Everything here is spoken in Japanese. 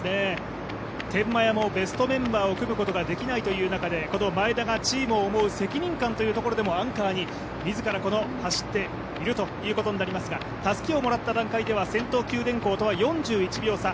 天満屋もベストメンバーを組むことができない中でこの前田がチームを思う責任感というところでもアンカーに自ら走っているということになりますがたすきをもらった段階では先頭・九電工と４１秒差